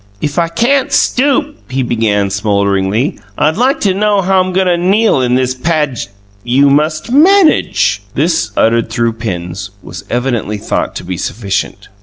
"If I can't stoop," he began, smolderingly, "I'd like to know how'm I goin' to kneel in the pag " "You must MANAGE!" This, uttered through pins, was evidently thought to be sufficient.